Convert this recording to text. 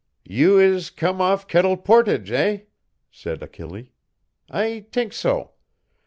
"You is come off Kettle Portage, eh," said Achille, "I t'ink so.